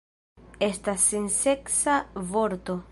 Estas senseksa vorto.